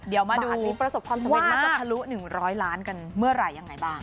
เดี๋ยวมาดูว่ามันจะพลุ๑๐๐ล้านกันเมื่อไหร่ยังไงบ้าง